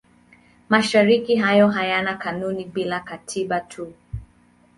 Mashirika hayo hayana kanuni bali katiba tu.